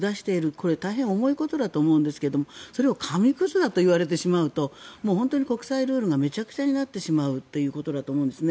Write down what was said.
これは大変重いことだと思うんですけどそれを紙くずだといわれてしまうと本当に国際ルールがめちゃくちゃになってしまうということだと思うんですね。